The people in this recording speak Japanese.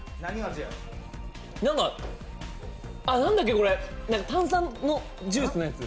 何か、何だっけ、炭酸のジュースのやつ。